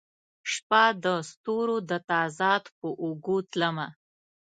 شپه د ستورو د تضاد په اوږو تلمه